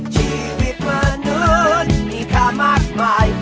ชีวิตเหมือนนู้นมีค่ามากมาย